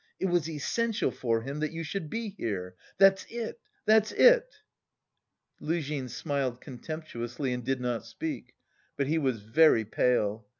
It was essential for him that you should be here! That's it, that's it!" Luzhin smiled contemptuously and did not speak. But he was very pale.